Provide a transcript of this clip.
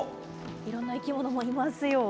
いろんな生き物もいますよ。